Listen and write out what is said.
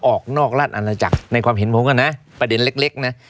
ออกนอกราชอาณาจักรในความเห็นผมก็นะประเด็นเล็กนะ